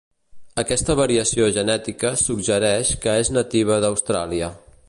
Aquesta variació genètica suggereix que és nativa d'Austràlia.